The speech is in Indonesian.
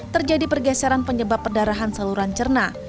terjadi pergeseran penyebab perdarahan saluran cerna